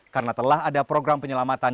karena telah ada program penyelamatkan air